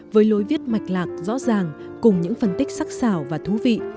với lối viết mạch lạc rõ ràng cùng những phân tích sắc xảo và thú vị